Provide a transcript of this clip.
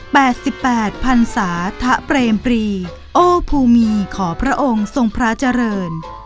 แปดสิบแปดพันศาทะเปรมปรีโอภูมีขอพระองค์ทรงพระเจริญ